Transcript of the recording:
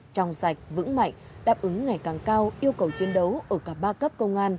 trong sạch vững mạnh đáp ứng ngày càng cao yêu cầu chiến đấu ở cả ba cấp công an cấp tỉnh cấp huyện và cấp xã